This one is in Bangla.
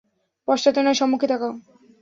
পশ্চাতে নয়, সম্মুখে তাকাও।